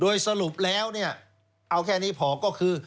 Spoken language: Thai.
โดยสรุปแล้วเนี่ยเอาแค่นี้พอก็คือ